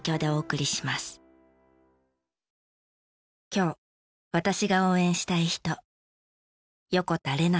今日私が応援したい人。